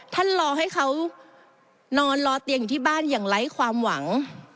ท่านรอให้เขานอนรอเตียงอยู่ที่บ้านอย่างไร้ความหวัง